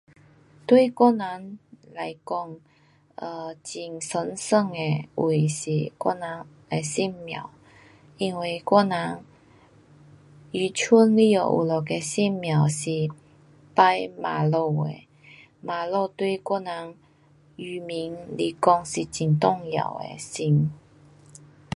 对我人来讲，很神圣的位是我人的神庙。因为我人鱼村里下有一个神庙是拜妈祖的，妈祖对我人鱼民来讲是很重要的神。